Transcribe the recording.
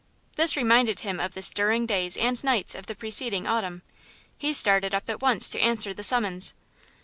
This reminded him of the stirring days and nights of the preceding autumn. He started up at once to answer the summons.